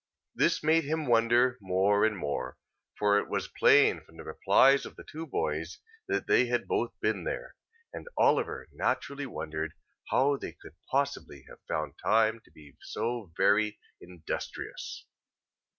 This made him wonder more and more; for it was plain from the replies of the two boys that they had both been there; and Oliver naturally wondered how they could possibly have found time to be so very industrious.